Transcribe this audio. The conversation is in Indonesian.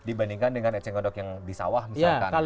dibandingkan dengan eceng gondok yang di sawah misalkan